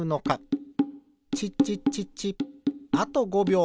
チッチッチッチッあと５びょう。